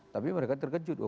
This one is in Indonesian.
tapi mereka terkejut